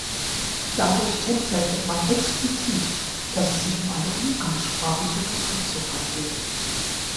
Dadurch kennzeichnet man explizit, dass es sich um eine umgangssprachliche Verkürzung handelt.